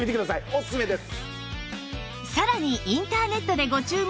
おすすめです！